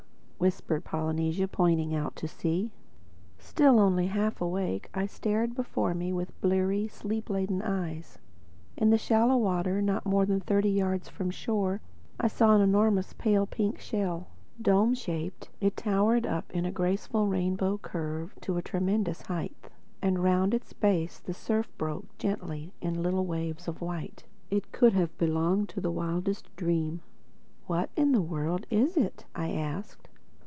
whispered Polynesia pointing out to sea. Still only half awake, I stared before me with bleary, sleep laden eyes. And in the shallow water, not more than thirty yards from shore I saw an enormous pale pink shell. Dome shaped, it towered up in a graceful rainbow curve to a tremendous height; and round its base the surf broke gently in little waves of white. It could have belonged to the wildest dream. "What in the world is it?" I asked.